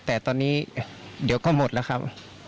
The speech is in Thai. แต่ตอนนี้เดี๋ยวก็หมดแล้วครับ